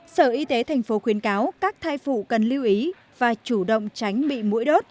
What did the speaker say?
sở y tế thành phố khuyến cáo các thai phụ cần lưu ý và chủ động tránh bị mũi đốt